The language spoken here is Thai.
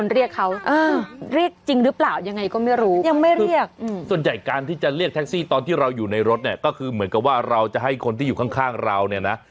ถ้าเราอยู่ในรถเนี่ยก็คือเหมือนกับว่าเราจะให้คนที่อยู่ข้างเราเนี่ยนะ